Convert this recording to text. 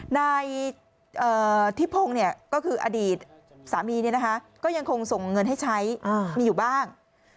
นายทิพงศ์ก็คืออดีตสามีก็ยังคงส่งเงินให้ใช้มีอยู่บ้าง